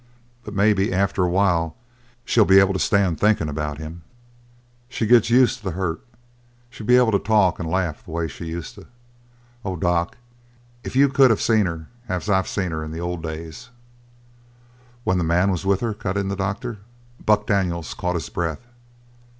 But maybe after a while she'll be able to stand thinkin' about him. She'll get used to the hurt. She'll be able to talk and laugh the way she used to. Oh, doc, if you could of seen her as I've seen her in the old days " "When the man was with her?" cut in the doctor. Buck Daniels caught his breath.